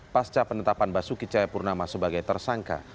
pasca penetapan basuki cahayapurnama sebagai tersangka